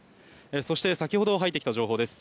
そして先ほど入ってきた情報です。